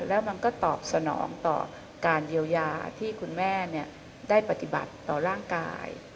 แล้วมันก็ตอบสนองต่อการเยียวยาที่คุณแม่ได้ปฏิบัติต่อร่างกาย